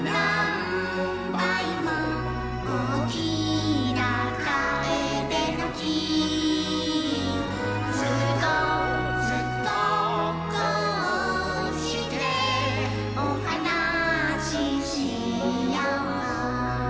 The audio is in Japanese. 「おおきなカエデの木」「ずっとずっとこうしておはなししよう」